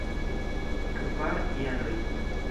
Kvar jaroj.